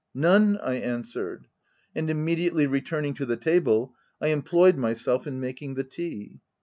"None," I answered. , And immediately returning to the table, I employed myself in making the tea.